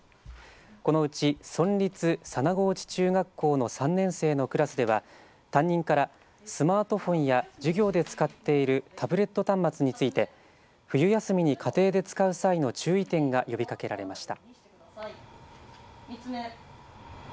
このうち村立佐那河内中学校の３年生のクラスでは、担任からスマートフォンや授業で使っているタブレット端末について冬休みに家庭で使う際の注意点が呼びかけられました。